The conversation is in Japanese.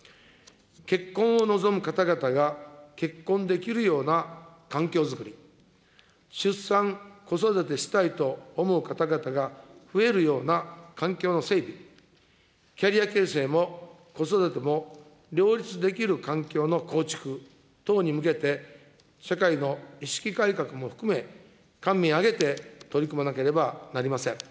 結婚を望む方々が結婚できるような環境づくり、出産、子育てしたいと思う方々が増えるような環境の整備、キャリア形成も子育ても両立できる環境の構築等に向けて、社会の意識改革も含め、官民挙げて取り組まなければなりません。